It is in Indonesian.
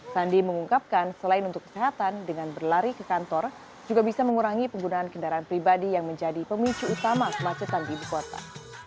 sandi mengungkapkan selain untuk kesehatan dengan berlari ke kantor juga bisa mengurangi penggunaan kendaraan pribadi yang menjadi pemicu utama kemacetan di ibu kota